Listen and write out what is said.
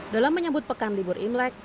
dalam menyebut pekan libur imlek